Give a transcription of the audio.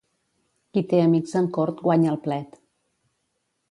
Qui té amics en cort, guanya el plet.